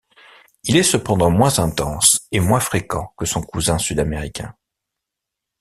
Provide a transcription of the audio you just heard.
Il est cependant moins intense et moins fréquent que son cousin sud-américain.